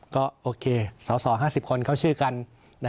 ก็โอเคสส๕๐คนเข้าชื่อกัน